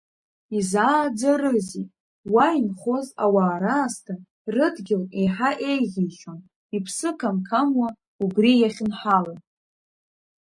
Изааӡарызеи, уа инхоз ауаа раасҭа рыдгьыл еиҳа еиӷьишьон, иԥсы қамқамуа убри иахьынҳалан.